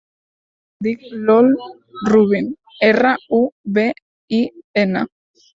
Em dic Iol Rubin: erra, u, be, i, ena.